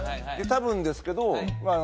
多分ですけどまあ